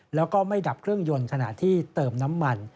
แล้วก็ไม่ดับเครื่องยนต์ขณะที่เติมน้ำมัน